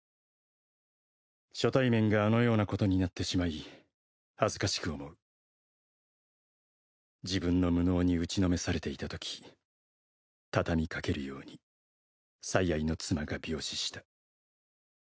「初対面があのようなことになってしまい恥ずかしく思う」「自分の無能に打ちのめされていたとき畳み掛けるように最愛の妻が病死した」